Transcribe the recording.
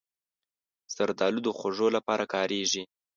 زردالو د خوږو لپاره کارېږي.